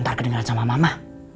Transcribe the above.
ntar kedengeran sama mama